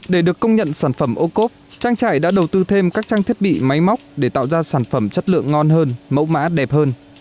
để được công nhận sản phẩm ô cốp trang trại đã đầu tư thêm các trang thiết bị máy móc để tạo ra sản phẩm chất lượng ngon hơn mẫu mã đẹp hơn